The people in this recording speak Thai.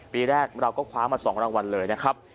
ปีแรกเราก็คว้ามา๒รางวัลเลยนะครับ